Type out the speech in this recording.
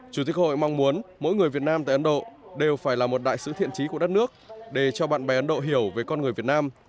chủ tịch hội mong muốn mỗi người việt nam tại ấn độ đều phải là một đại sứ thiện trí của đất nước để cho bạn bè ấn độ hiểu về con người việt nam